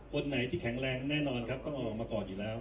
คนไหนที่แข็งแรงแน่นอนครับต้องออกมาก่อนอยู่แล้ว